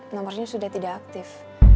nomornya sudah tidak aktif